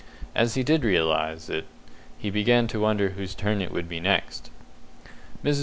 As he did realize it, he began to wonder whose turn it would be next. Mrs.